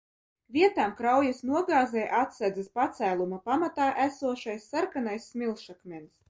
Vietām kraujas nogāzē atsedzas pacēluma pamatā esošais sarkanais smilšakmens.